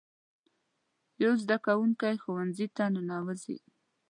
یو زده کوونکی ښوونځي ته ننوځي.